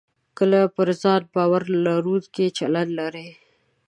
کله پر ځان باور لرونکی چلند لرئ